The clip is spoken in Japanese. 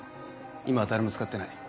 今は誰も使ってない。